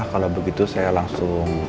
kalau begitu saya langsung